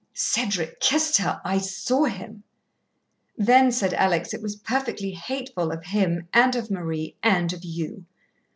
"Cedric kissed her I saw him." "Then," said Alex, "it was perfectly hateful of him and of Marie and of you."